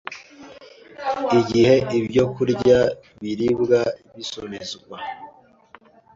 Igihe ibyokurya biribwa bisomezwa,